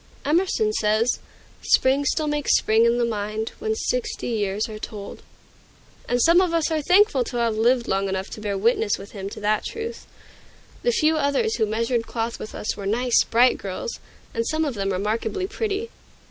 Emerson says: "Spring still makes spring in the mind, When sixty years are told;" and some of us are thankful to have lived long enough to bear witness with him to that truth. The few others who measured cloth with us were nice, bright girls, and some of them remarkably pretty.